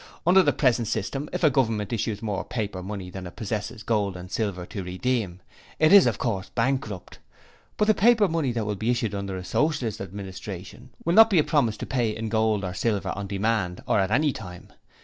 Under the present system if a Government issues more paper money than it possesses gold and silver to redeem, it is of course bankrupt. But the paper money that will be issued under a Socialist Administration will not be a promise to pay in gold or silver on demand or at any time.